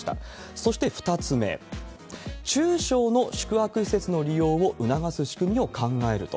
そして２つ目、中小の宿泊施設の利用を促す仕組みを考えると。